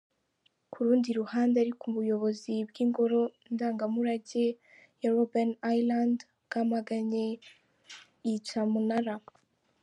Ku rundi ruhande ariko Ubuyobozi bw’ingoro ndangamurage ya Robben Island bwamaganye iyi cyamunara.